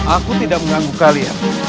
aku tidak mengganggu kalian